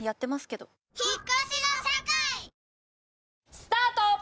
スタート！